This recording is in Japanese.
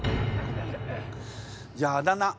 じゃああだ名。